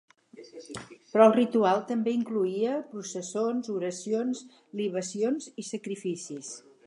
Però el ritual també incloïa processons, oracions, libacions i sacrificis.